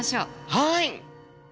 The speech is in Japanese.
はい！